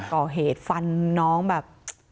ก่อเหตุฟันน้องแบบ